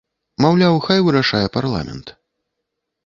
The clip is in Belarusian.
Маўляў, хай вырашае парламент.